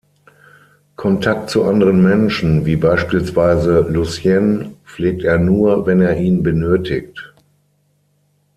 Kontakt zu anderen Menschen, wie beispielsweise Lucienne, pflegt er nur, wenn er ihn benötigt.